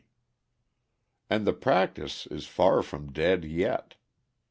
] And the practice is far from dead yet.